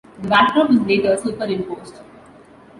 The backdrop was later superimposed.